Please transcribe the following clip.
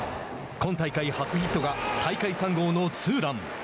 今大会初ヒットが大会３号のツーラン。